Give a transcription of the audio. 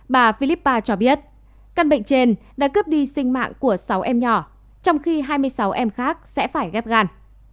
bà philippa cho biết căn bệnh trên đã cướp đi sinh mạng của sáu em nhỏ trong khi hai mươi sáu em khác sẽ phải ghép gan